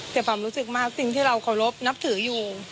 แต่ความรู้สึกมากสิ่งที่เราเคารพนับถืออยู่